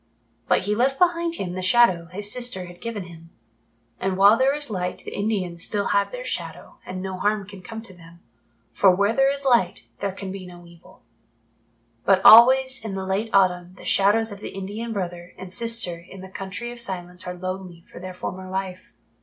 But he left behind him the Shadow his sister had given him; and while there is Light the Indians still have their Shadow and no harm can come to them, for where there is Light there can be no evil. But always in the late autumn the Shadows of the Indian brother and sister in the Country of Silence are lonely for their former life.